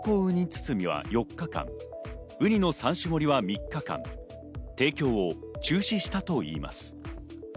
包みは４日間、うにの３種盛りは３日間、提供を中止したといいます。